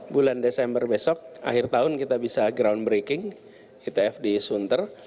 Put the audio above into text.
bulan desember besok akhir tahun kita bisa groundbreaking kita fd sunter